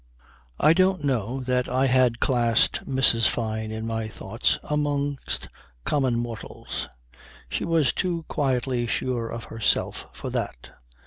I don't know that I had classed Mrs. Fyne, in my thoughts, amongst common mortals. She was too quietly sure of herself for that.